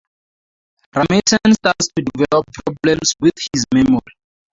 Ramesan starts to develop problems with his memory.